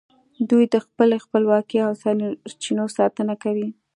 دوی د خپلې خپلواکۍ او سرچینو ساتنه کوي